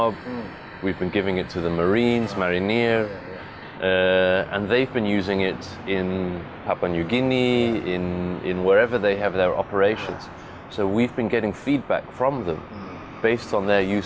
penggambaran yang kami lakukan sekarang adalah dengan permintaan kopasus